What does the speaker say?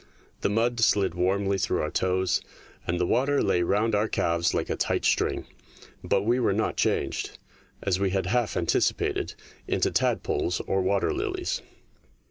The mud slid warmly through our toes, and the water lay round our calves like a tight string, but we were not changed, as we had half antici pated, into tadpoles or water lilies.